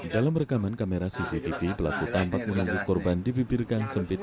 dalam rekaman kamera cctv pelaku tampak menunggu korban di bibir gang sempit